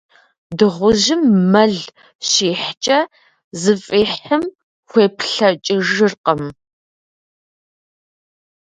Дыгъужьым мэл щихькӏэ, зыфӏихьым хуеплӏэкӏыжыркъым.